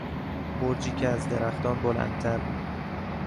برجی که از درختان بلندتر بود